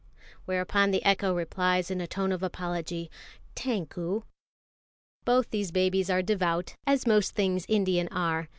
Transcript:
whereupon the echo replies in a tone of apology, "Tankou!" Both these babies are devout, as most things Indian are.